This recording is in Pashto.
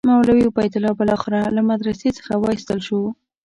مولوي عبیدالله بالاخره له مدرسې څخه وایستل شو.